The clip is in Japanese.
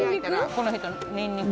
この人ニンニク。